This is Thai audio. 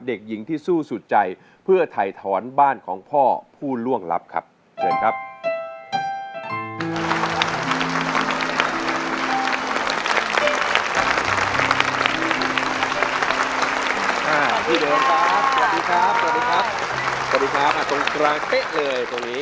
เด็กหญิงที่สู้สุดใจเพื่อถ่ายถอนบ้านของพ่อผู้ล่วงลับครับเชิญครับ